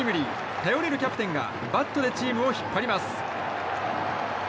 頼れるキャプテンがバットでチームを引っ張ります。